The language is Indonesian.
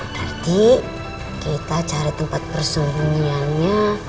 nanti kita cari tempat persembunyiannya